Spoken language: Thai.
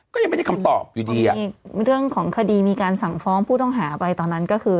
ก็ยังไม่ได้คำตอบอยู่ดีอ่ะมีเรื่องของคดีมีการสั่งฟ้องผู้ต้องหาไปตอนนั้นก็คือ